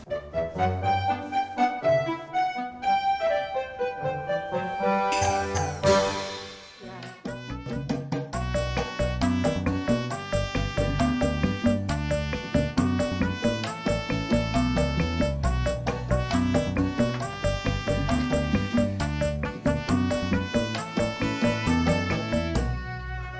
ketemu rumahnya adam